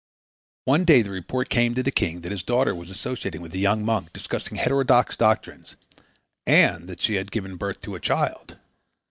One day the report came to the king that his daughter was associating with a young monk discussing heterodox doctrines and that she had given birth to a child.